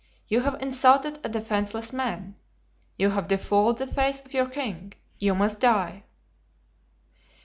You have insulted a defenseless man. You have befouled the face of your king. You must die.